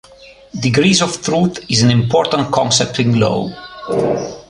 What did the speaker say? Degrees of truth is an important concept in law.